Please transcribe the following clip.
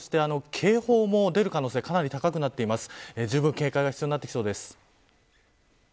最大、そして警報も出る可能性がかなり高くなっています。